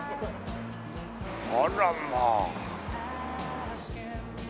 あらまあ。